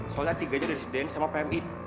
soalnya tiga nya dari sdn sama pmi